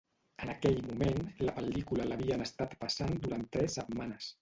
En aquell moment, la pel·lícula l'havien estat passant durant tres setmanes.